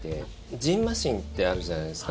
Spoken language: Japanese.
じんましんってあるじゃないですか。